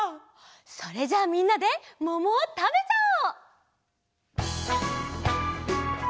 それじゃあみんなでももをたべちゃおう！